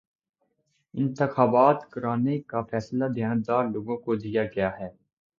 انتخابات کرانے کا فریضہ دیانتدار لوگوں کو دیا گیا ہے